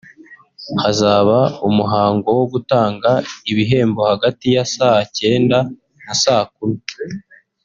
hazaba umuhango wo gutanga ibihembo hagati ya saa cyenda na saa kumi